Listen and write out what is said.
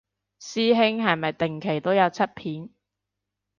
師兄係咪定期都有出片